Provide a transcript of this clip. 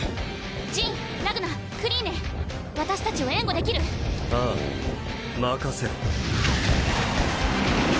ジンラグナクリーネ私たちを援護できる？ああ任せろ。